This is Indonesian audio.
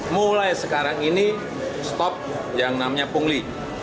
mulai sekarang ini stop yang namanya pungli